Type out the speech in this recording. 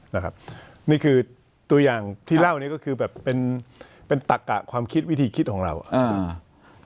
นะครับนี่คือตัวอย่างที่เล่านี้ก็คือแบบเป็นเป็นตักกะความคิดวิธีคิดของเราอ่ะอ่า